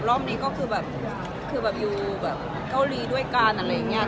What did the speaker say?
แต่รอบนี้ก็อยู่เกาหลีด้วยกันอังเงี่ย